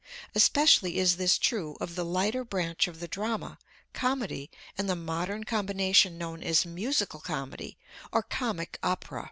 Especially is this true of the lighter branch of the drama, comedy, and the modern combination known as musical comedy or comic opera.